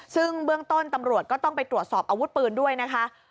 ซึ่งเบื้องต้นตำรวจก็ต้องไปตรวจสอบอาวุธปืนด้วยนะคะ